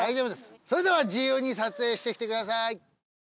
それでは自由に撮影してきてください。